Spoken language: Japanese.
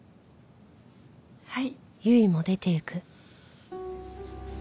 はい。